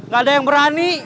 gak ada yang berani